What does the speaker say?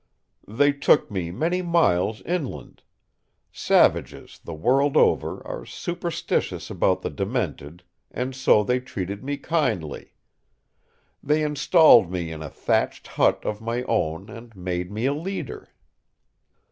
They took me many miles inland. Savages, the world over, are superstitious about the demented, and so they treated me kindly. They installed me in a thatched hut of my own and made me a leader.